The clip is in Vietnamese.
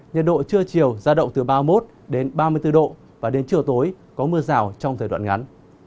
nhiệt độ trưa chiều ra động từ ba mươi một đến ba mươi bốn độ và đến chiều tối có mưa rào trong thời đoạn ngắn